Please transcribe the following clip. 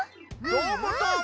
どーもどーも！